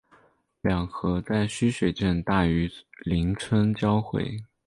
两河在须水镇大榆林村交汇。